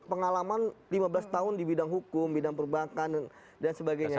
pengalaman lima belas tahun di bidang hukum bidang perbankan dan sebagainya